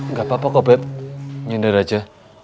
gak apa apa kok beb nyender aja